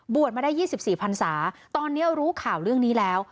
บวชมาได้ยี่สิบสี่พันศาตอนนี้รู้ข่าวเรื่องนี้แล้ว